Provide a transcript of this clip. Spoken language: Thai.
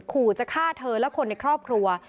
ขู่จะฆ่าเธอและคนในครอบครัว